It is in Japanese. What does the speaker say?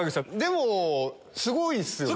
でもすごいっすよね。